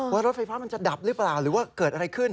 ว่ารถไฟฟ้ามันจะดับหรือเปล่าหรือว่าเกิดอะไรขึ้น